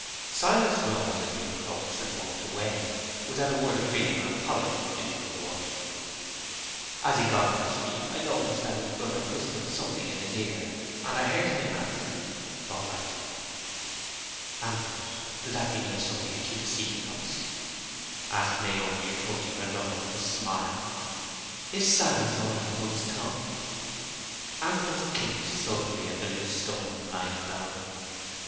Silas rose as we approached, and walked away, without a word of greeting or apology, into the wood. As he got on his feet, I noticed that his brother whispered something in his ear; and I heard him answer, "All right." "Ambrose, does that mean you have something to keep a secret from us?" asked Naomi, approaching her lover with a smile. "Is Silas ordered to hold his tongue?" Ambrose kicked sulkily at the loose stones lying about him.